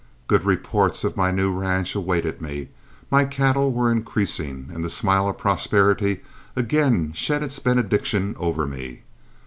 Good reports of my new ranch awaited me, my cattle were increasing, and the smile of prosperity again shed its benediction over me.